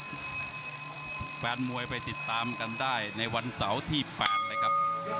แฟนมวยไปติดตามกันได้ในวันเสาร์ที่๘เลยครับ